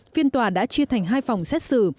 phiên tòa đã chia thành hai phòng xét xử